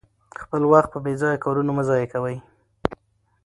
خپل وخت په بې ځایه کارونو مه ضایع کوئ.